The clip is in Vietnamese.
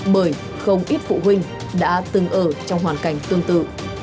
bởi không ít phụ huynh đã từng ở trong hoàn cảnh tương tự